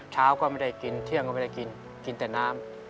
เช้าก็ไม่ได้กินเที่ยงก็ไม่ได้กินกินแต่น้ำ